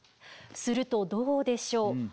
するとどうでしょう？